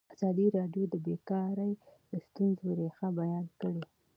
ازادي راډیو د بیکاري د ستونزو رېښه بیان کړې.